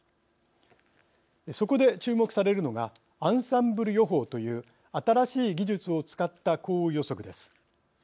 そこで注目されるのがアンサンブル予報という新しい技術を使った降雨予測です。